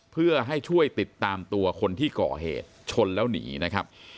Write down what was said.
เพื่อให้ช่วยติดตามตัวคนที่ก่อเหตุชนแล้วหนีนะครับ